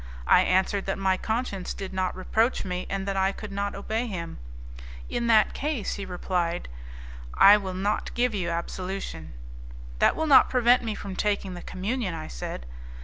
I answered that my conscience did not reproach me, and that I could not obey him. 'In that case,' replied he, 'I will not give you absolution.' 'That will not prevent me from taking the communion,' I said.